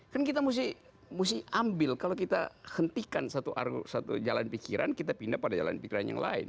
kan kita mesti ambil kalau kita hentikan satu jalan pikiran kita pindah pada jalan pikiran yang lain